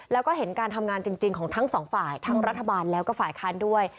แล้วก็เห็นการทำงานจริงของทั้งสองฝ่ายทั้งรัฐบาลแล้วก็ฝ่ายค้านด้วย